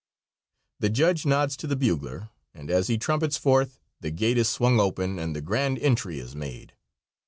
The judge nods to the bugler, and as he trumpets forth the gate is swung open and the grand entry is made.